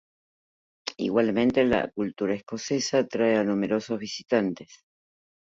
Igualmente la cultura escocesa atrae a numerosos visitantes.